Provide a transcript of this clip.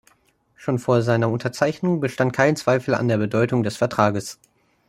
Schon vor seiner Unterzeichnung bestand kein Zweifel an der Bedeutung des Vertrages.